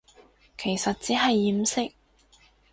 其實只係掩飾